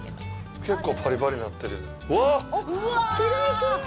結構パリパリになってる。